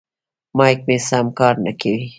مایک مې سم کار نه کوي.